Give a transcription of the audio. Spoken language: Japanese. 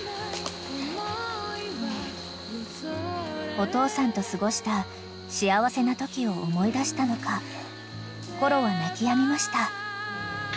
［お父さんと過ごした幸せなときを思い出したのかコロは鳴きやみました］